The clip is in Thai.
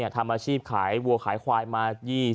ทำอาชีพขายวัวขายควายมา